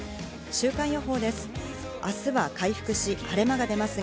週間予報です。